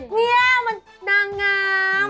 นี่มันนางงาม